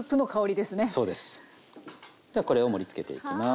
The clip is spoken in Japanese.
ではこれを盛りつけていきます。